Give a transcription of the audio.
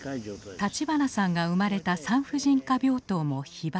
立花さんが生まれた産婦人科病棟も被爆。